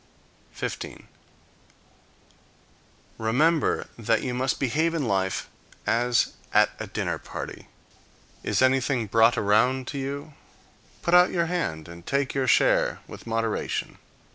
15. Remember that you must behave in life as at a dinner party. Is anything brought around to you? Put out your hand and take your share with moderation.